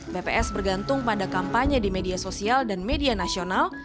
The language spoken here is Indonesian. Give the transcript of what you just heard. bps bergantung pada kampanye di media sosial dan media nasional